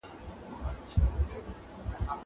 دا څونه بیوسي ده بیوسۍ نیولې ده